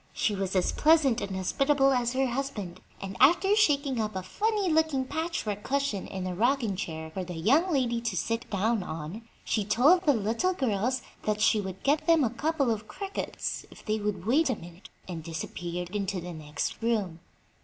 She was as pleasant and hospitable as her husband, and after shaking up a funny looking patchwork cushion in a rocking chair for the young lady to sit down on she told the little girls that she would get them a couple of crickets if they would wait a minute, and disappeared into the next room.